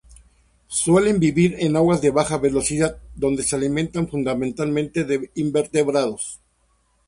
Suelen vivir en aguas de baja velocidad, donde se alimentan fundamentalmente de invertebrados.